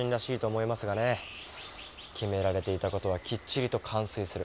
決められていたことはきっちりと完遂する。